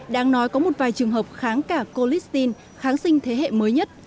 đang nói có một vài trường hợp kháng cả colistin kháng sinh thế hệ mới nhất